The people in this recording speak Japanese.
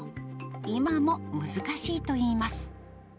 今も難しいといいます。